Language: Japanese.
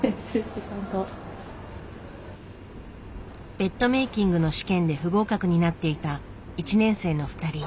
ベッドメイキングの試験で不合格になっていた１年生の２人。